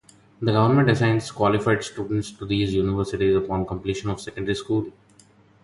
The government assigns qualified students to these universities upon completion of secondary school.